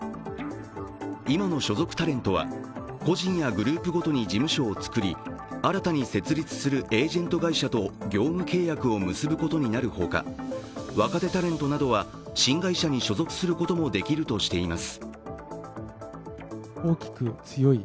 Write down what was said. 今の所属タレントは、個人やグループごとに事務所を作り、新たに設立するエージェント会社と業務契約を結ぶことになるほか、若手タレントなどは新会社に所属することもできるとしています。